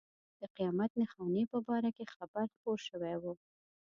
د قیامت نښانې په باره کې خبر خپور شوی و.